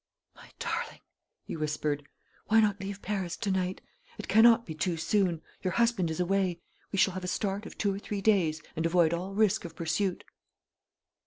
"My darling," he whispered, "why not leave Paris to night? It cannot be too soon. Your husband is away. We shall have a start of two or three days, and avoid all risk of pursuit."